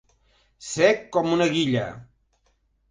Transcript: Sec com una guilla.